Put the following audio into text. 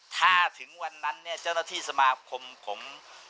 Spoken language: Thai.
ถ้าถึงวันนั้นเจ้านัทที่สมาคมผม